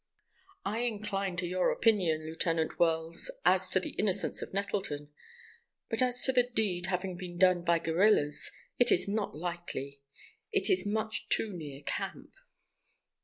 "I incline to your opinion, Lieutenant Wells, as to the innocence of Nettleton. But, as to the deed having been done by guerrillas, it is not likely. It is much too near camp."